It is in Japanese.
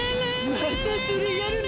またそれやるの？